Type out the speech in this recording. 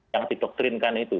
yang didoktrinkan itu